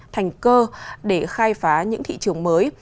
thành cơ để khai phá những thị trường mới